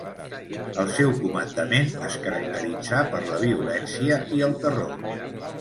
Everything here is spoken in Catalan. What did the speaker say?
El seu comandament es caracteritzà per la violència i el terror.